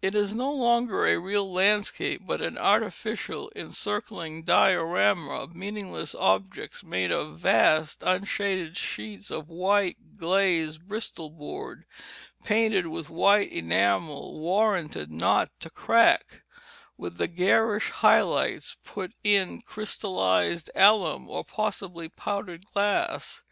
It is no longer a real landscape but an artificial encircling diorama of meaningless objects made of vast unshaded sheets of white glazed Bristol board, painted with white enamel, warranted not to crack; with the garish high lights put in crystallized alum or possibly powdered glass.